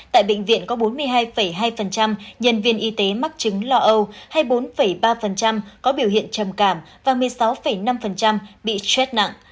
tại bệnh viện có bốn mươi hai hai nhân viên y tế mắc chứng lo âu hay bốn ba có biểu hiện trầm cảm và một mươi sáu năm bị stress nặng